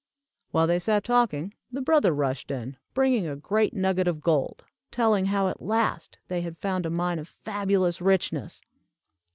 While they sat talking, the brother rushed in, bringing a great nugget of gold, telling how at last, they had found a mine of fabulous richness.